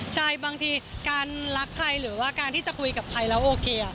ใช่บางทีการรักใครหรือว่าการที่จะคุยกับใครแล้วโอเค